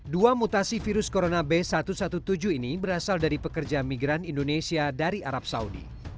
dua mutasi virus corona b satu satu tujuh ini berasal dari pekerja migran indonesia dari arab saudi